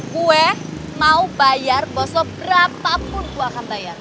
gue mau bayar bos lo berapa pun gue akan bayar